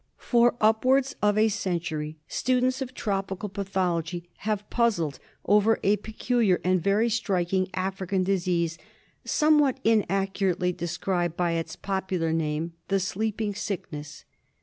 For upwards of a century studenis of tropical path ology have puzzled over a peculiar and very striking African disease, somewhat inaccurately described by its popular name, the Sleeping Sickijess.